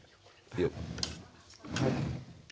よっ！